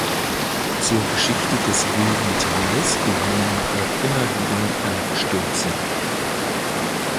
Zur Geschichte des wilden Tales gehören auch immer wieder Bergstürze.